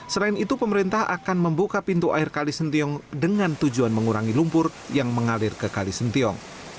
selain itu pemerintah akan membuka pintu air kalisentiong dengan tujuan mengurangi lumpur yang mengalir ke kalisentiong